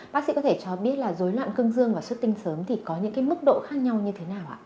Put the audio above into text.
bác sĩ có thể cho biết là dối loạn cương dương và xuất tinh sớm thì có những cái mức độ khác nhau như thế nào ạ